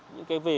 những cái về